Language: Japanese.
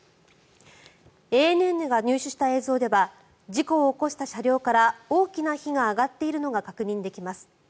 ＡＮＮが入手した映像では事故を起こした車両から大きな火が上がっているのが確認できます。